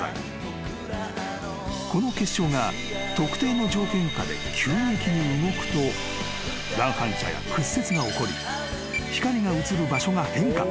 ［この結晶が特定の条件下で急激に動くと乱反射や屈折が起こり光が映る場所が変化］